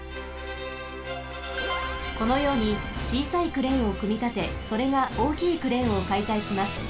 このようにちいさいクレーンをくみたてそれがおおきいクレーンをかいたいします。